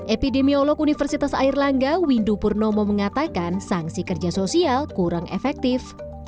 epidemiolog universitas airlangga windu purnomo mengatakan sanksi kerja sosial kurang efektif